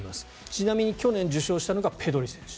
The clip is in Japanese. ちなみに去年受賞したのがペドリ選手。